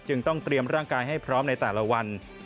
ต้องเตรียมร่างกายให้พร้อมในแต่ละวัน